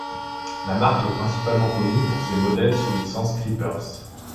La marque est principalement connue pour ses modèles sous licence de Creepers.